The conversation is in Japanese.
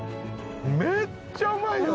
めっちゃうまいわ！